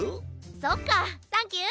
そっかサンキュー。